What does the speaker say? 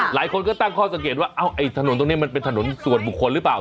หลายคนก็ตั้งข้อสังเกตว่าไอ้ถนนตรงนี้มันเป็นถนนส่วนบุคคลหรือเปล่า